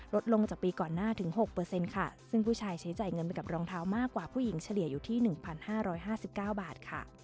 ลดลงจากปีก่อนหน้าถึง๖ค่ะซึ่งผู้ชายใช้จ่ายเงินไปกับรองเท้ามากกว่าผู้หญิงเฉลี่ยอยู่ที่๑๕๕๙บาทค่ะ